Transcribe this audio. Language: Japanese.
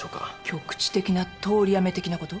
局地的な通り雨的なこと？